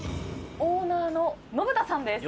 オーナーの延田さんです。